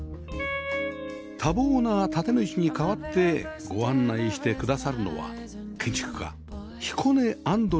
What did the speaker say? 多忙な建て主に代わってご案内してくださるのは建築家彦根アンドレアさん